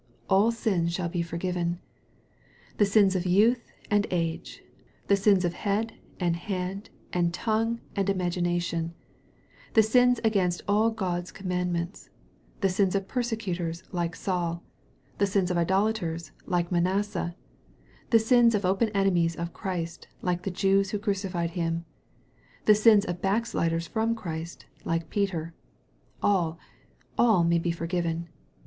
" All sins shall be forgiven." The sins of youth and age the sins of head, and hand, and tongue, and imagination the sins against all God's commandments the sins of persecutors, like Saul the sins of idolaters, like Ma nasseh the sins of open enemies of Christ, like the Jews who crucified Him the sins of backsliders from Christ, like Peter all, all may be forgiven.